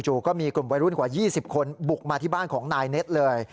ก็มีกลุ่มวัยรุ่นกว่า๒๐คนบุกมาที่บ้านของนายเน็ตเลย